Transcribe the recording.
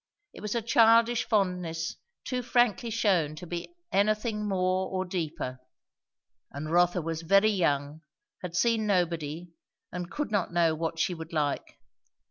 It was a childish fondness, too frankly shewn to be anything more or deeper. And Rotha was very young, had seen nobody, and could not know what she would like.